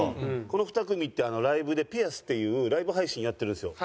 この２組ってライブで『ピアス』っていうライブ配信やってるんですよ。